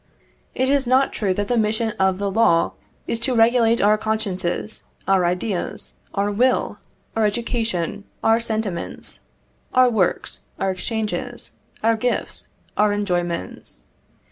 It is not true that the mission of the law is to regulate our consciences, our ideas, our will, our education, our sentiments, our works, our exchanges, our gifts, our enjoyments.